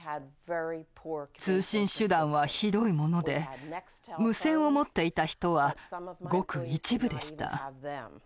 通信手段はひどいもので無線を持っていた人はごく一部でした。